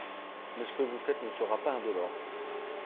Mais ce que vous faites ne sera pas indolore.